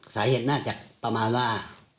สาเหตุน่าจะประมาณว่า